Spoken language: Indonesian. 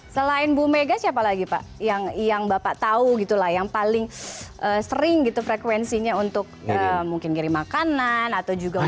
selain bu mega siapa lagi pak yang bapak tahu gitu lah yang paling sering gitu frekuensinya untuk mungkin ngirim makanan atau juga makan